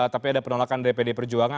tapi ada penolakan dari pd perjuangan